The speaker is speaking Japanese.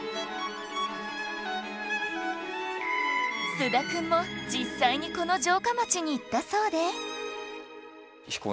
菅田くんも実際にこの城下町に行ったそうで